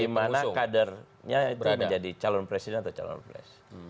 di mana kadernya itu menjadi calon presiden atau calon presiden